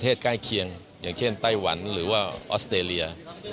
ใต้หวันหรือว่าออสเตรเลีย